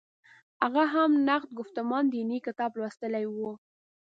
هغه هم «نقد ګفتمان دیني» کتاب لوستلی و.